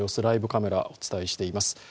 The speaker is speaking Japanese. ライブカメラでお伝えしています。